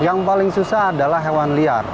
yang paling susah adalah hewan liar